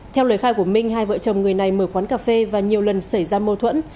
theo lời khai của minh hai vợ chồng người này mở quán cà phê và nhiều lần xảy ra mâu thuẫn